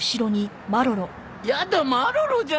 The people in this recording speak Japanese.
やだマロロじゃない！